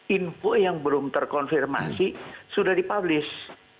info yang belum terkonfirmasi sudah dipublis